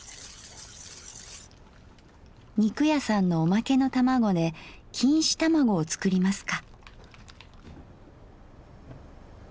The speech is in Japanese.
肉屋さんのおまけの卵で錦糸卵を作りますか。